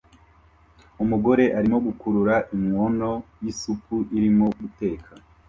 Umugore arimo gukurura inkono y'isupu irimo guteka